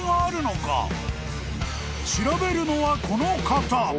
［調べるのはこの方］